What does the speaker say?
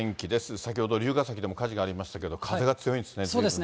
先ほど龍ケ崎でも火事がありましたけど、風が強いんですね。